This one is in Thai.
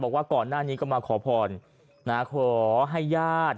บอกว่าก่อนหน้านี้ก็มาขอพรนะขอให้ญาติ